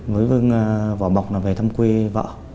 với võ bọc về thăm quê vợ